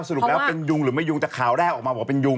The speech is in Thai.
สรุปแล้วเป็นยุงหรือไม่ยุงแต่ข่าวแรกออกมาบอกว่าเป็นยุง